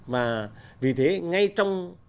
và vì thế ngay trong